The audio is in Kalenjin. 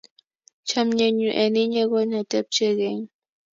Chamyenyu eng inye ko netepche keny